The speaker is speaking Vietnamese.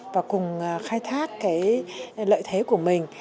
và cùng khai thác cái lợi thế của mình